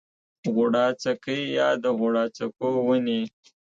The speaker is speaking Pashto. غوړاڅکی یا د غوړاڅکو ونې